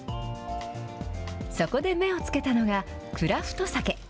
そこで目をつけたのが、クラフトサケ。